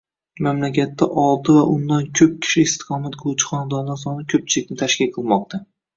Mamlakatdaoltiva undan ko‘p kishi istiqomat qiluvchi xonadonlar soni ko‘pchilikni tashkil qilmoqda